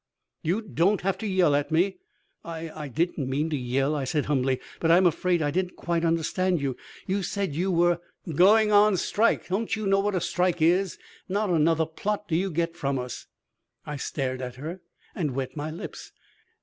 "You don't have to yell at me." "I I didn't mean to yell," I said humbly. "But I'm afraid I didn't quite understand you. You said you were " "Going on strike. Don't you know what a strike is? Not another plot do you get from us!" I stared at her and wet my lips.